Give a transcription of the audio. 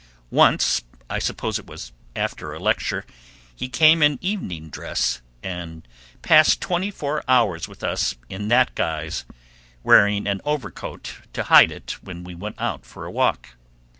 Once, I suppose it was after a lecture, he came in evening dress and passed twenty four hours with us in that guise, wearing an overcoat to hide it when we went for a walk.